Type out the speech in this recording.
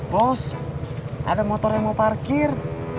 bos ada motor yang mau parkir